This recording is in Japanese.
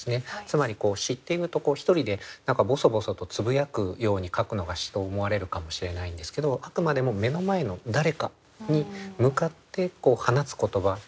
つまり詩っていうと一人で何かボソボソとつぶやくように書くのが詩と思われるかもしれないんですけどあくまでも目の前の誰かに向かって放つ言葉として詩を書いてらっしゃった。